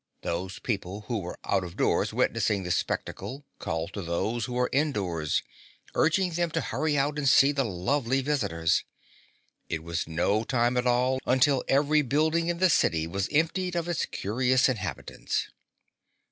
Those people who were out of doors witnessing the spectacle called to those who were indoors, urging them to hurry out and see the lovely visitors. It was no time at all until every building in the city was emptied of its curious inhabitants.